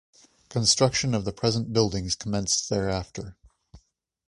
Construction of the present buildings commenced thereafter.